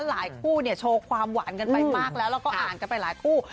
หลายคู่เนี่ยโชว์ความหวานกันไปมากแล้วแล้วก็อ่านกันไปหลายคู่